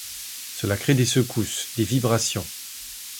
Cela crée des secousses, des vibrations.